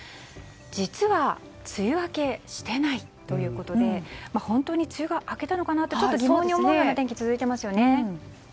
実は、梅雨明けしてない？ということで本当に梅雨が明けたのかなと疑問に思うような天気が続いていますよね。